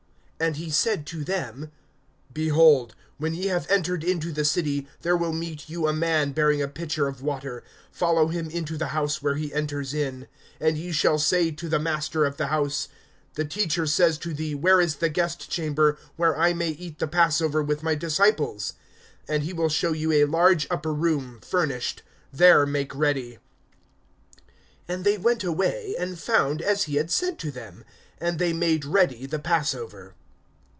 (10)And he said to them: Behold, when ye have entered into the city, there will meet you a man bearing a pitcher of water; follow him into the house where he enters in. (11)And ye shall say to the master of the house: The Teacher says to thee, Where is the guestchamber, where I may eat the passover with my disciples? (12)And he will show you a large upper room furnished; there make ready. (13)And they went away, and found as he had said to them. And they made ready the passover.